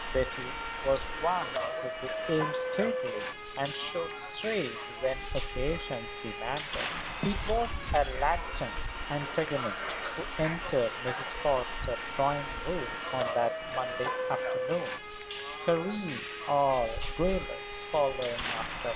Betty was one who could aim steadily and shoot straight when occasion demanded. It was a latent antagonist who entered Mrs. Forrester's drawing room on that Monday afternoon, Karen, all guileless, following after.